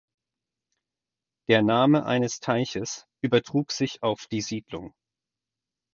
Der Name eines Teiches übertrug sich auf die Siedlung.